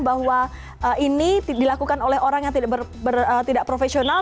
bahwa ini dilakukan oleh orang yang tidak profesional